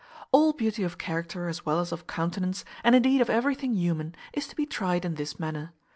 All beauty of character, as well as of countenance, and indeed of everything human, is to be tried in this manner.